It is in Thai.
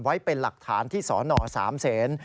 ไว้เป็นหลักฐานที่สน๓เซน